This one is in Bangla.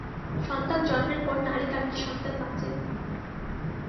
সন্তানের জন্মের পর নাড়ি কাটলে সন্তান বাঁচে।